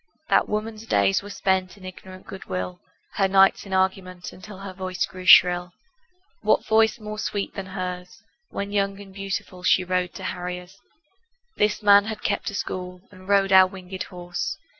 That woman's days were spent In ignorant good will, Her nights in argument Until her voice grew shrill. What voice more sweet than hers When young and beautiful, She rode to harriers? This man had kept a school And rode our winged horse.